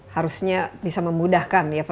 harusnya bisa memudahkan ya